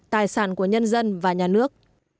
tài sản của nhân dân và nhà nước